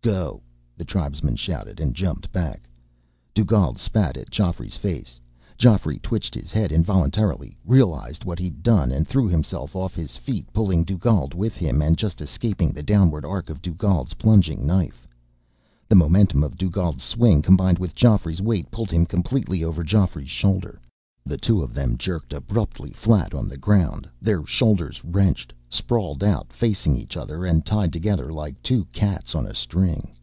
"Go!" the tribesman shouted, and jumped back. Dugald spat at Geoffrey's face. Geoffrey twitched his head involuntarily, realized what he'd done, and threw himself off his feet, pulling Dugald with him and just escaping the downward arc of Dugald's plunging knife. The momentum of Dugald's swing, combined with Geoffrey's weight, pulled him completely over Geoffrey's shoulder. The two of them jerked abruptly flat on the ground, their shoulders wrenched, sprawled out facing each other and tied together like two cats on a string.